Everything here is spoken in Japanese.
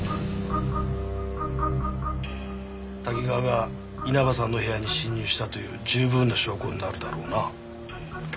瀧川が稲葉さんの部屋に侵入したという十分な証拠になるだろうな。